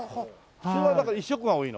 普通はだから１色が多いの？